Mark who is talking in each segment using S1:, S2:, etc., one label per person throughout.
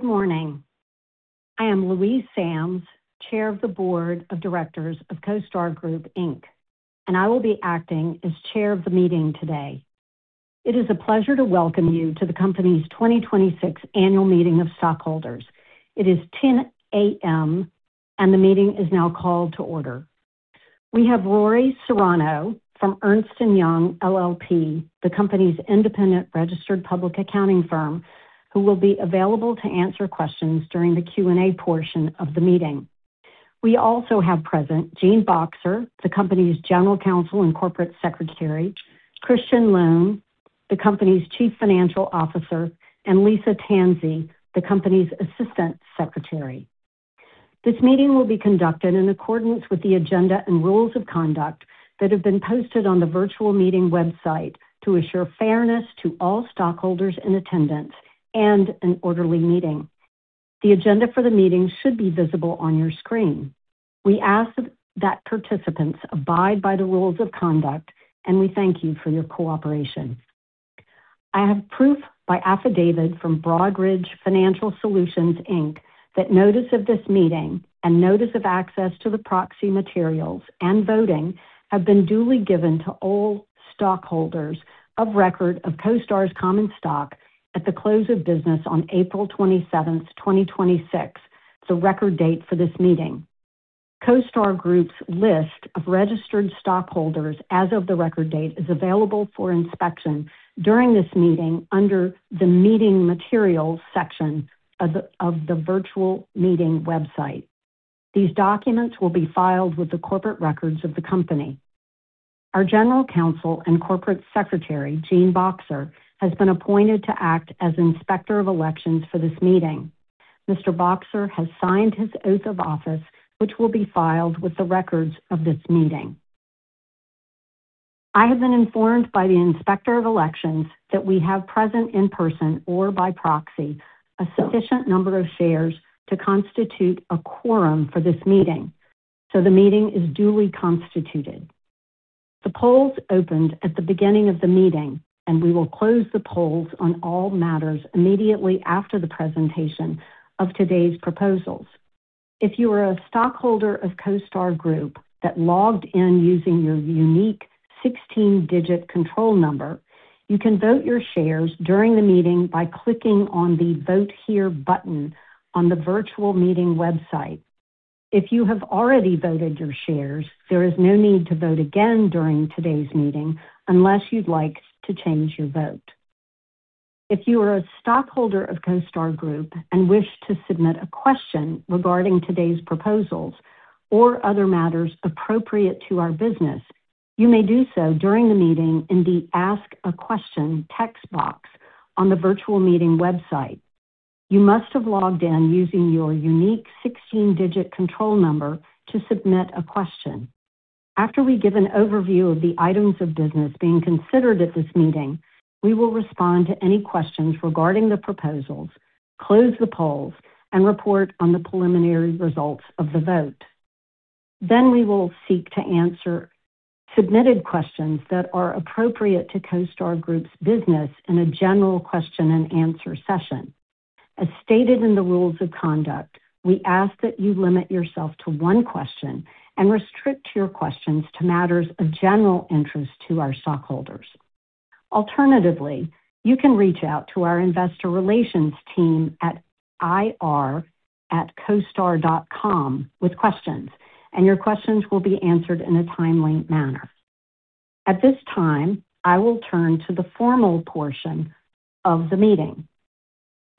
S1: Good morning. I am Louise Sams, Chair of the Board of Directors of CoStar Group, Inc., and I will be acting as Chair of the meeting today. It is a pleasure to welcome you to the company's 2026 annual meeting of stockholders. It is 10:00 A.M. and the meeting is now called to order. We have Rory Serrano from Ernst & Young LLP, the company's independent registered public accounting firm, who will be available to answer questions during the Q&A portion of the meeting. We also have present Gene Boxer, the company's General Counsel and Corporate Secretary, Christian Lown, the company's Chief Financial Officer, and Lisa Tansey, the company's Assistant Secretary. This meeting will be conducted in accordance with the agenda and rules of conduct that have been posted on the virtual meeting website to assure fairness to all stockholders in attendance and an orderly meeting. The agenda for the meeting should be visible on your screen. We ask that participants abide by the rules of conduct, and we thank you for your cooperation. I have proof by affidavit from Broadridge Financial Solutions, Inc. that notice of this meeting and notice of access to the proxy materials and voting have been duly given to all stockholders of record of CoStar's common stock at the close of business on April 27th, 2026, the record date for this meeting. CoStar Group's list of registered stockholders as of the record date is available for inspection during this meeting under the Meeting Materials section of the virtual meeting website. These documents will be filed with the corporate records of the company. Our General Counsel and Corporate Secretary, Gene Boxer, has been appointed to act as Inspector of Elections for this meeting. Mr. Boxer has signed his oath of office, which will be filed with the records of this meeting. I have been informed by the Inspector of Elections that we have present in person or by proxy a sufficient number of shares to constitute a quorum for this meeting. The meeting is duly constituted. The polls opened at the beginning of the meeting. We will close the polls on all matters immediately after the presentation of today's proposals. If you are a stockholder of CoStar Group that logged in using your unique 16-digit control number, you can vote your shares during the meeting by clicking on the Vote Here button on the virtual meeting website. If you have already voted your shares, there is no need to vote again during today's meeting unless you'd like to change your vote. If you are a stockholder of CoStar Group and wish to submit a question regarding today's proposals or other matters appropriate to our business, you may do so during the meeting in the Ask a Question text box on the virtual meeting website. You must have logged in using your unique 16-digit control number to submit a question. After we give an overview of the items of business being considered at this meeting, we will respond to any questions regarding the proposals, close the polls, and report on the preliminary results of the vote. We will seek to answer submitted questions that are appropriate to CoStar Group's business in a general question and answer session. As stated in the rules of conduct, we ask that you limit yourself to one question and restrict your questions to matters of general interest to our stockholders. Alternatively, you can reach out to our investor relations team at ir@costar.com with questions, and your questions will be answered in a timely manner. At this time, I will turn to the formal portion of the meeting.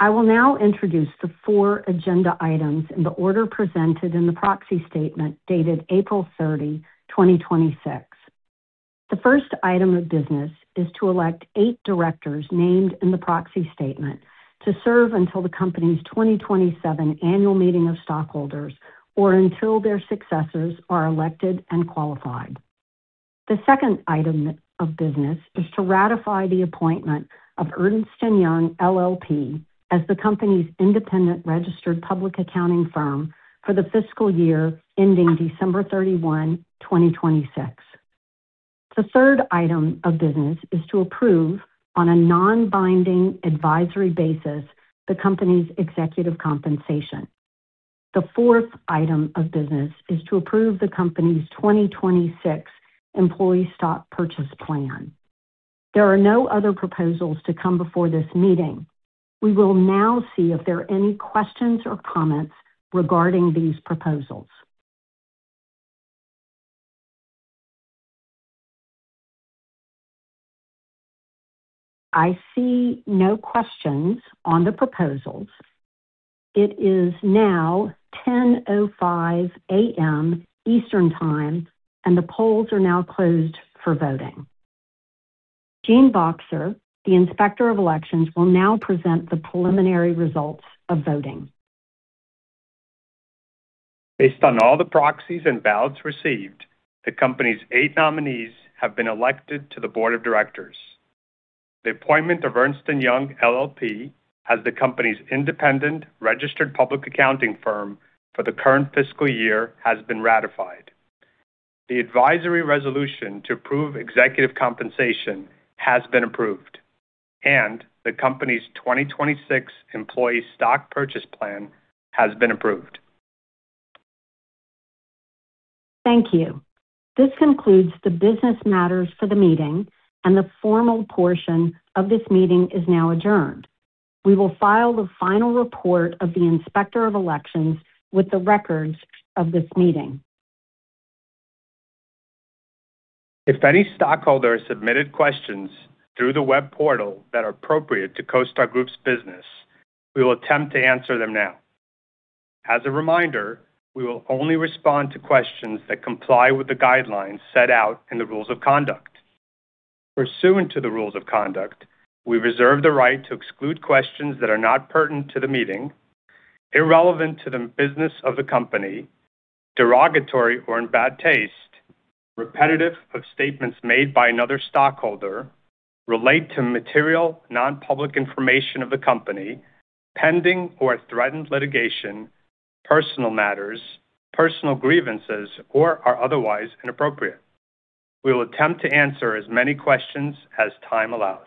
S1: I will now introduce the four agenda items in the order presented in the proxy statement dated April 30, 2026. The first item of business is to elect eight directors named in the proxy statement to serve until the company's 2027 annual meeting of stockholders or until their successors are elected and qualified. The second item of business is to ratify the appointment of Ernst & Young LLP as the company's independent registered public accounting firm for the fiscal year ending December 31, 2026. The third item of business is to approve, on a non-binding advisory basis, the company's executive compensation. The fourth item of business is to approve the company's 2026 employee stock purchase plan. There are no other proposals to come before this meeting. We will now see if there are any questions or comments regarding these proposals. I see no questions on the proposals. It is now 10:05 A.M. Eastern Time, and the polls are now closed for voting. Gene Boxer, the Inspector of Elections, will now present the preliminary results of voting.
S2: Based on all the proxies and ballots received, the company's eight nominees have been elected to the board of directors. The appointment of Ernst & Young LLP as the company's independent registered public accounting firm for the current fiscal year has been ratified. The advisory resolution to approve executive compensation has been approved, and the company's 2026 employee stock purchase plan has been approved.
S1: Thank you. This concludes the business matters for the meeting, and the formal portion of this meeting is now adjourned. We will file the final report of the Inspector of Elections with the records of this meeting.
S2: If any stockholder submitted questions through the web portal that are appropriate to CoStar Group's business, we will attempt to answer them now. As a reminder, we will only respond to questions that comply with the guidelines set out in the rules of conduct. Pursuant to the rules of conduct, we reserve the right to exclude questions that are not pertinent to the meeting, irrelevant to the business of the company, derogatory or in bad taste, repetitive of statements made by another stockholder, relate to material non-public information of the company, pending or threatened litigation, personal matters, personal grievances, or are otherwise inappropriate. We will attempt to answer as many questions as time allows